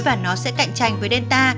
và nó sẽ cạnh tranh với delta